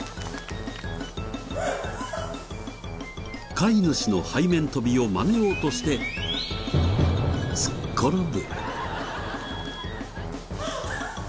飼い主の背面跳びをまねようとしてすっ転ぶ。